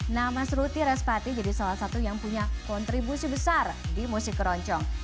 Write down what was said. nama seruti respati jadi salah satu yang punya kontribusi besar di musik keroncong